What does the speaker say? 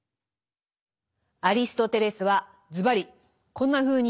アリストテレスはズバリこんなふうに言っています。